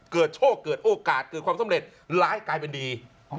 โชคเกิดโอกาสเกิดความสำเร็จร้ายกลายเป็นดี